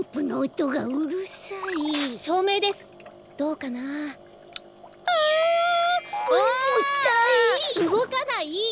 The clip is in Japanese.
うごかない！